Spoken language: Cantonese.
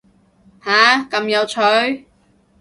下，咁有趣